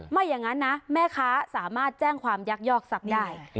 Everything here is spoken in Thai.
ไม่อย่างนั้นนะแม่ค้าสามารถแจ้งความยักยอกทรัพย์ได้